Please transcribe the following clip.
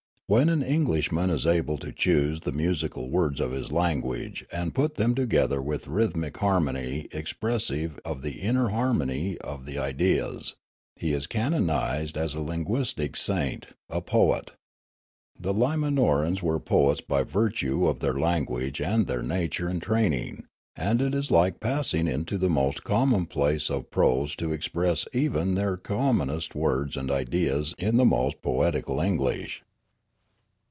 When an Englishman is able to choose the musical words of his language and put them together with rhythmic harmony expressive of the inner harmony of the ideas, he is canonised as a linguistic saint, a poet. The Limanorans were poets by virtue of their lan guage and their nature and training, and it is like passing into the most commonplace of prose to express even their conunonest words and ideas in the most poetical English.